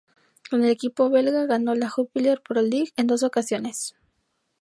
Con el equipo belga ganó la Jupiler Pro League en dos ocasiones.